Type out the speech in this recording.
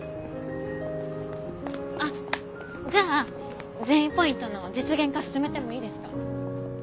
あじゃあ善意ポイントの実現化進めてもいいですか？